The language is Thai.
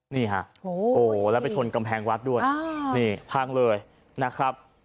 นี่ฮะโอ้โหแล้วไปชนกำแพงวัดด้วยนี่พังเลยนะครับ